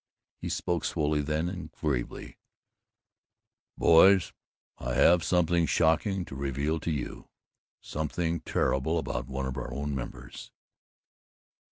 He spoke slowly then, and gravely: "Boys, I have something shocking to reveal to you; something terrible about one of our own members."